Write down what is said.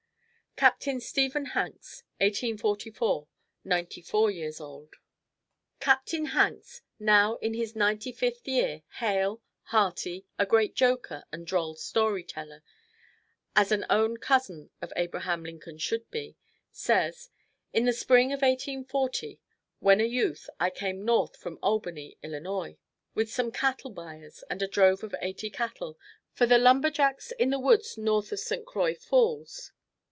Captain Stephen Hanks 1844, Ninety four years old. Captain Hanks, now in his ninety fifth year, hale, hearty, a great joker and droll storyteller, as an own cousin of Abraham Lincoln should be, says: In the spring of 1840, when a youth, I came north from Albany, Illinois, with some cattle buyers and a drove of eighty cattle, for the lumberjacks in the woods north of St. Croix Falls.